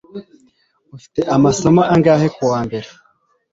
Ufite amasomo angahe kuwa mbere?